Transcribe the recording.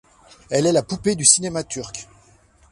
Elle est la poupée du cinéma turc.